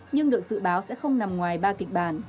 nhưng được dự báo sẽ không nằm ngoài ba kịch bản